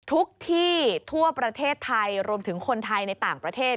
ทุกที่ทั่วประเทศไทยรวมถึงคนไทยในต่างประเทศ